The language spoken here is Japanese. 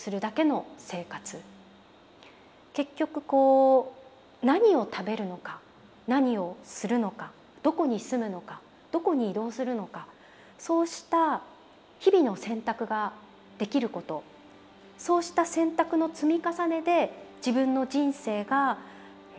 結局こう何を食べるのか何をするのかどこに住むのかどこに移動するのかそうした日々の選択ができることそうした選択の積み重ねで自分の人生が成り立っている。